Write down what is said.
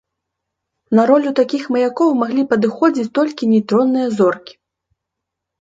На ролю такіх маякоў маглі падыходзіць толькі нейтронныя зоркі.